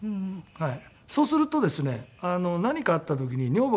はい。